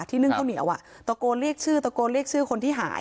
นึ่งข้าวเหนียวตะโกนเรียกชื่อตะโกนเรียกชื่อคนที่หาย